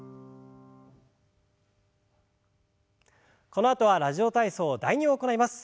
このあとは「ラジオ体操第２」を行います。